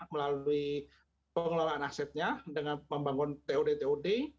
melalui pengelolaan asetnya dengan membangun tod tod